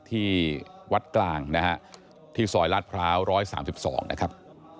ที่วัดกลางนะฮะที่สอยราชพราวร้อยสามสิบสองนะครับ